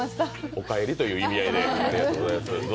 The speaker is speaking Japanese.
お帰りという意味合いでありがとうございます。